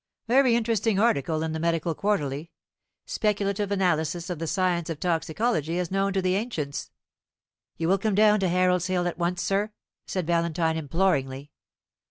Very interesting article in the Medical Quarterly speculative analysis of the science of toxicology as known to the ancients." "You will come down to Harold's Hill at once, sir?" said Valentine, imploringly.